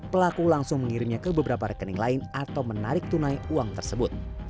pelaku langsung mengirimnya ke beberapa rekening lain atau menarik tunai uang tersebut